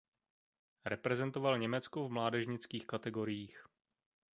Reprezentoval Německo v mládežnických kategoriích.